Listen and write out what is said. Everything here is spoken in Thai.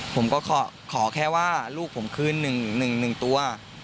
ผมก็ขอขอแค่ว่าลูกผมครืนหนึ่งหนึ่งตัว